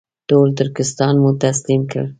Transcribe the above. ټول ترکستان مو تسلیم کړ.